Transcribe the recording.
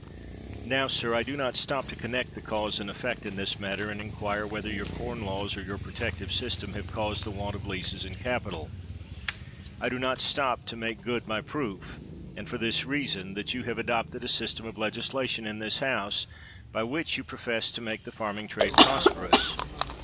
Now, sir, I do not stop to connect the cause and effect in this matter, and inquire whether your Corn Laws or your protective system have caused the want of leases and capital. I do not stop to make good my proof, and for this rea son, that you have adopted a system of legisla tion in this House by which you profess to make the farming trade prosperous.